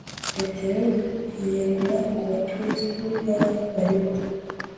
Petero yiregura ku bakristo b Abayuda